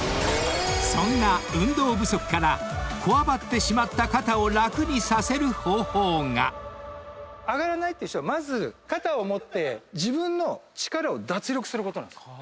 ［そんな運動不足からこわばってしまった肩を楽にさせる方法が］上がらないって人はまず肩を持って自分の力を脱力することなんです。